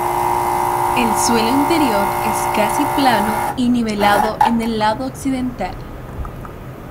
El suelo interior es casi plano y nivelado en el lado occidental.